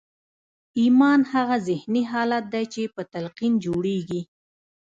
ایمان هغه ذهني حالت دی چې په تلقین جوړېږي